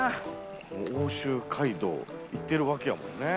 奥州街道行ってるわけやもんね。